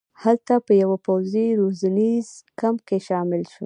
هلته په یوه پوځي روزنیز کمپ کې شامل شو.